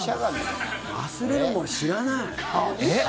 忘れるも知らない。